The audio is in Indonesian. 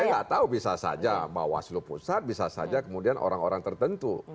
saya nggak tahu bisa saja bawaslu pusat bisa saja kemudian orang orang tertentu